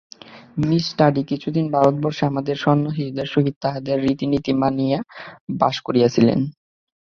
Me Sturdy কিছুদিন ভারতবর্ষে আমাদের সন্ন্যাসীদের সহিত তাহাদের রীতিনীতি মানিয়া বাস করিয়াছিলেন।